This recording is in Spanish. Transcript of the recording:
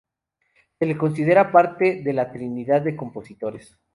Se le considera parte de la trinidad de compositores.